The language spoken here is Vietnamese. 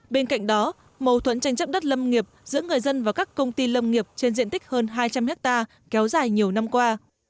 bên cạnh đó mâu thuẫn tranh chấp đất lâm nghiệp giữa người dân và các công ty lâm nghiệp trên diện tích hơn hai trăm linh hectare kéo dài nhiều năm qua